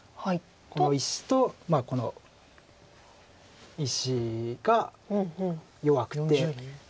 この石とこの石が弱くて。